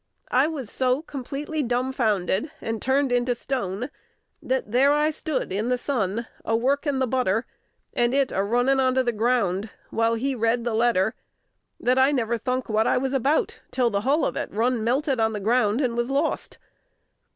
I was so completely dumfounded, and turned into stone, that there I stood in the sun, a workin' the butter, and it a runnin' on the ground, while he read the letter, that I never thunk what I was about till the hull on't run melted on the ground, and was lost.